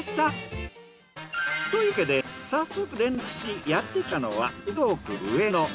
というわけで早速連絡しやってきたのは台東区上野。